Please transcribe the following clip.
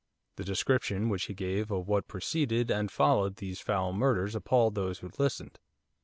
The description which he gave of what preceded and followed these foul murders appalled those who listened.